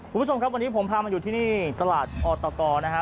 คุณผู้ชมครับวันนี้ผมพามาอยู่ที่นี่ตลาดออตกนะฮะ